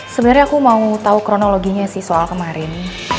sebenernya aku mau tau kronologinya sih soal kemarin